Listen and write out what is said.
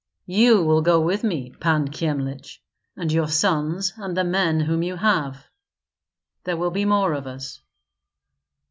"You will go with me, Pan Kyemlich, and your sons and the men whom you have; there will be more of us."